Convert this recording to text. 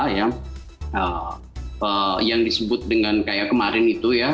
yang disebut dengan kayak kemarin itu ya